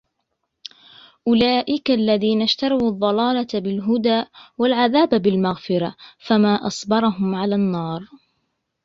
أولئك الذين اشتروا الضلالة بالهدى والعذاب بالمغفرة فما أصبرهم على النار